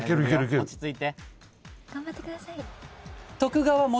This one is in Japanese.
落ち着いて。